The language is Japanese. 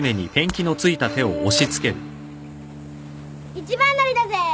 一番乗りだぜぇ！